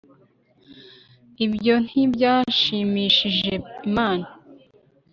Ibyo nti byashimishije Imana